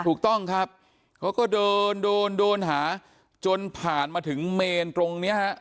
ถูกต้องครับเขาก็เดินเดินหาจนผ่านมาถึงเมนตรงเนี้ยฮะ